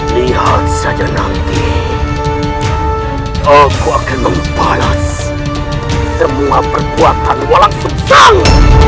lihat saja nanti aku akan membalas semua perbuatan walang sedang